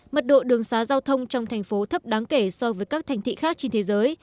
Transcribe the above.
mật độ đường xá giao thông trong thành phố thấp đáng kể so với các thành thị khác trên thế giới